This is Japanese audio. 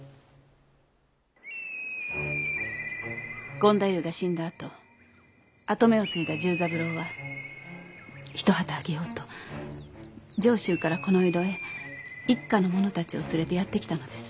権太夫が死んだあと跡目を継いだ十三郎は一旗揚げようと上州からこの江戸へ一家の者たちを連れてやって来たのです。